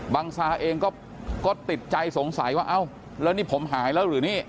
ซาเองก็ติดใจสงสัยว่าเอ้าแล้วนี่ผมหายแล้วหรือนี่